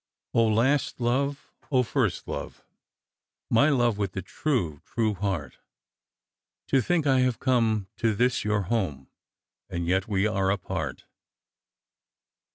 " last love ! first love ! My love with the true, true heart ! To think I have come to this your home, And yet we are apart."